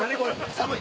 寒い！